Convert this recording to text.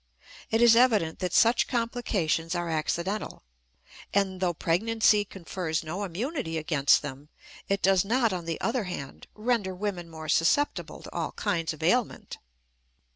It is evident that such complications are accidental; and, though pregnancy confers no immunity against them, it does not, on the other hand, render women more susceptible to all kinds of ailment.